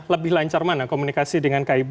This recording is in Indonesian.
lebih lancar mana komunikasi dengan kib